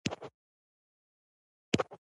• ته د احساس ښکلی انځور یې.